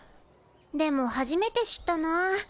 でも初めて知ったな。